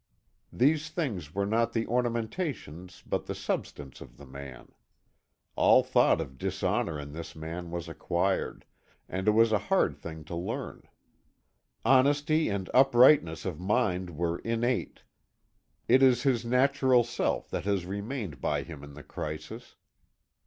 These things were not the ornamentations but the substance of the man. All thought of dishonor in this man was acquired and it was a hard thing to learn. Honesty and uprightness of mind were innate. It is his natural self that has remained by him in the crisis.